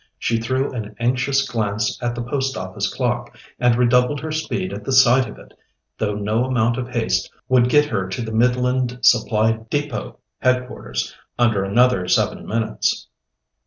She threw an anxious glance at the Post Office clock, and redoubled her speed at the sight of it, though no amount of haste would get her to the Midland Supply Depôt Headquarters under another seven minutes.